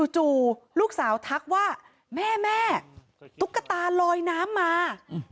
จู่ลูกสาวทักว่าแม่ตุ๊กตาลอยน้ำมา